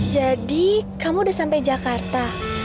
jadi kamu udah sampai jakarta